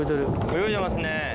泳いでますね。